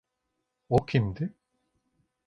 O kimdi?